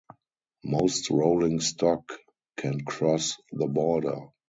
Most rolling stock can cross the border.